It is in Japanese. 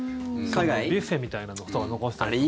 ビュッフェみたいなのが残ってたりとか。